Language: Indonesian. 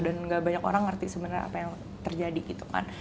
dan nggak banyak orang ngerti sebenarnya apa yang terjadi gitu kan